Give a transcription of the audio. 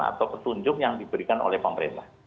atau petunjuk yang diberikan oleh pemerintah